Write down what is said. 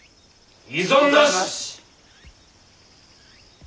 異存なし！